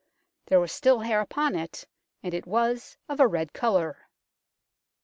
There was still hair upon it, and it was of a red colour."